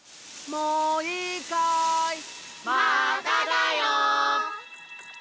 もういいかい？